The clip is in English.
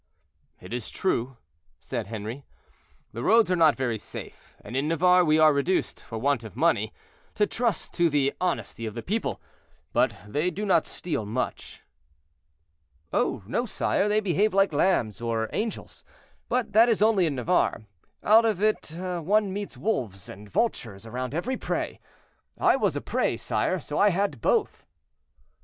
"It is true," said Henri, "the roads are not very safe, and in Navarre we are reduced, for want of money, to trust to the honesty of the people; but they do not steal much." "Oh, no, sire; they behave like lambs or angels, but that is only in Navarre; out of it one meets wolves and vultures around every prey. I was a prey, sire; so I had both."